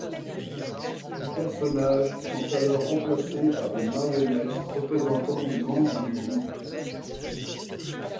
Les personnages sont alors remplacés par des marionnettes représentant des membres du groupe.